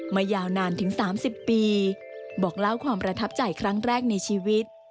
ยาวนานถึง๓๐ปีบอกเล่าความประทับใจครั้งแรกในชีวิต